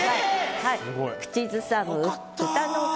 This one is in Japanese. はい。